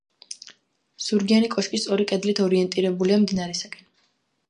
ზურგიანი კოშკი სწორი კედლით ორიენტირებულია მდინარისაკენ.